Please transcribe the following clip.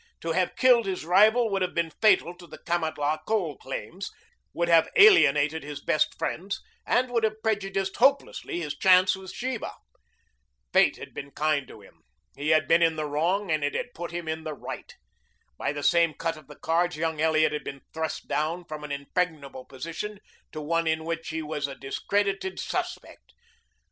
To have killed his rival would have been fatal to the Kamatlah coal claims, would have alienated his best friends, and would have prejudiced hopelessly his chances with Sheba. Fate had been kind to him. He had been in the wrong and it had put him in the right. By the same cut of the cards young Elliot had been thrust down from an impregnable position to one in which he was a discredited suspect.